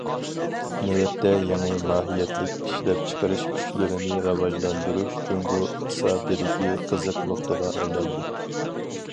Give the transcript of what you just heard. نۆۋەتتە، يېڭى ماھىيەتلىك ئىشلەپچىقىرىش كۈچلىرىنى راۋاجلاندۇرۇش جۇڭگو ئىقتىسادىدىكى قىزىق نۇقتىغا ئايلاندى.